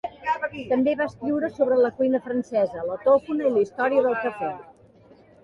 També va escriure sobre la cuina francesa, la tòfona i la història del cafè.